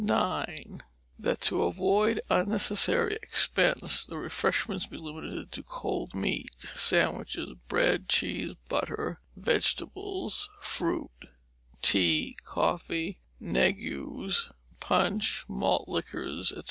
RULE IX. That to avoid unnecessary expense, the refreshments be limited to cold meat, sandwiches, bread, cheese, butter, vegetables, fruits, tea, coffee, negus, punch, malt liquors, &c.